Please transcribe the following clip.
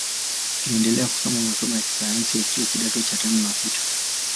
Aliendelea kusoma masomo ya sayansi akiwa kidato cha tano na sita